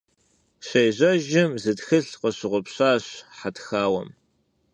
Щежьэжым, зы тхылъ къыщыгъупщащ хьэтхауэм.